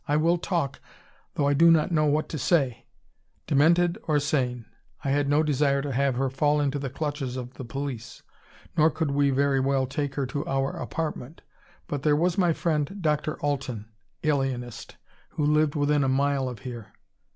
I will talk though I do not know what to say " Demented or sane, I had no desire to have her fall into the clutches of the police. Nor could we very well take her to our apartment. But there was my friend Dr. Alten, alienist, who lived within a mile of here.